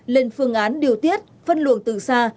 lên phương án điều tiết phân luồng từ xa